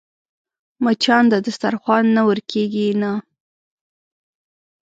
مچان د دسترخوان نه ورکېږي نه